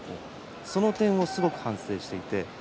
その点をすごく反省しています。